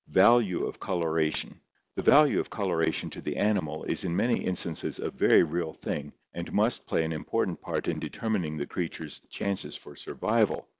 Value of Coloration The value of coloration to the animal is in many instances a very real thing and must play an important part in determining the creature's chances for survival.